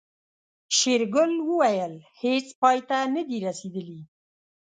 شېرګل وويل هيڅ پای ته نه دي رسېدلي.